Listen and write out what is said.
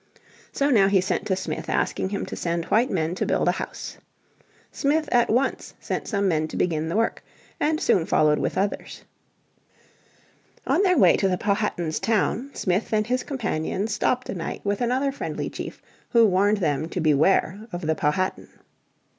So now he sent to Smith asking him to send white men to build a house. Smith at once sent some men to begin the work, and soon followed with others. On their way to the Powhatan's town Smith and his companions stopped a night with another friendly chief who warned them to beware of the Powhatan.